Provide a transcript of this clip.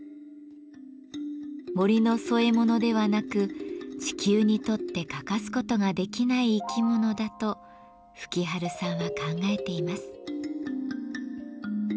森の添え物ではなく地球にとって欠かすことができない生き物だと吹春さんは考えています。